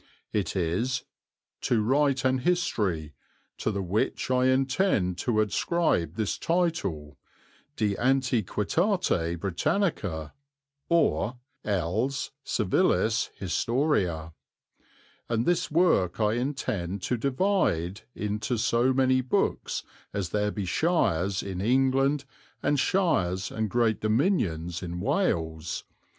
It is "to write an History, to the which I entende to adscribe this Title, De Antiquitate Britannica or els Civilis Historia. And this Worke I entende to divide yn to so many Bookes as there be Shires yn England and Sheres and greate Dominions in Wales.